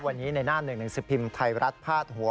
วันนี้ในหน้า๑๑๐พิมพ์ไทยรัฐพาดหัว